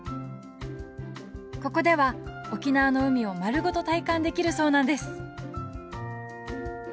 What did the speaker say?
ここでは沖縄の海を丸ごと体感できるそうなんです！